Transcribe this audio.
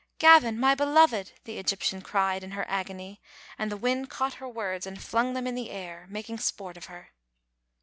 "Gavin, my beloved!" the Egyptian cried in her agony, and the wind caught her words and flung them in the air, making sport of her.